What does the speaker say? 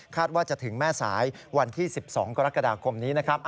ว่าจะถึงแม่สายวันที่๑๒กรกฎาคมนี้นะครับ